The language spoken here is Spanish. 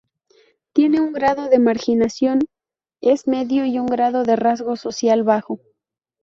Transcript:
Tiene un grado de marginación es medio y un grado de rezago social bajo.